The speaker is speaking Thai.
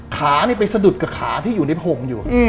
ขานี่ไปสะดุดกับขาที่อยู่ในผงอยู่